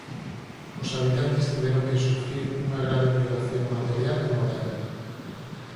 Os habitantes tiveron que sufrir unha grave privación material e moral.